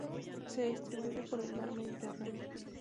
Se distribuye por el mar Mediterráneo.